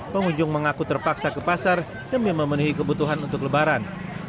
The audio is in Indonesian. pengunjung mengaku terpaksa ke pasar demi memenuhi kebutuhan untuk lebaran